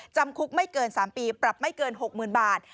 จำคุกไม่เกิน๓ปีปรับไม่เกิน๖๐๐๐บาท